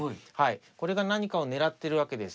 これが何かを狙ってるわけです。